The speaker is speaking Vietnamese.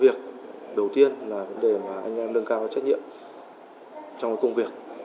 việc đầu tiên là vấn đề mà anh em nâng cao trách nhiệm trong công việc